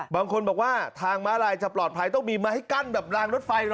บางคนบอกว่าทางม้าลายจะปลอดภัยต้องมีมาให้กั้นแบบรางรถไฟเหรอ